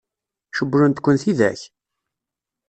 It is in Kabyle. Cewwlent-ken tidak?